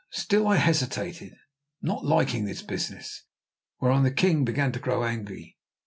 Still I hesitated, not liking this business; whereon the king began to grow angry.